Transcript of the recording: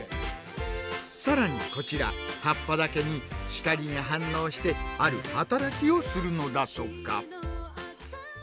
更にこちら「葉っぱ」だけに光に反応してある働きをするのだとか。